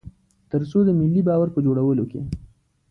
تر څو د ملي باور په جوړولو کې.